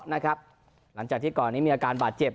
หลังจากที่ก่อนนี้มีอาการบาดเจ็บ